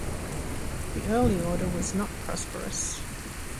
The early order was not prosperous.